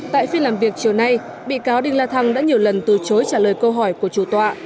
tại phiên làm việc chiều nay bị cáo đinh la thăng đã nhiều lần từ chối trả lời câu hỏi của chủ tọa